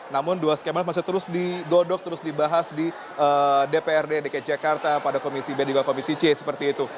namun dua skema masih terus digodok terus dibahas di dprd dki jakarta pada komisi b juga komisi c seperti itu